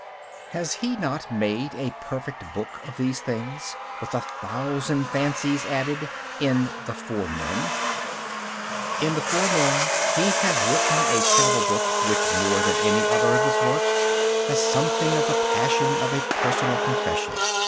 Has he not made a perfect book of these things, with a thousand fancies added, in The Four Men? In The Four Men he has written a travel book which more than any other of his works has something of the passion of a personal confession.